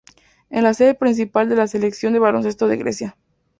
Es la sede principal de la Selección de baloncesto de Grecia.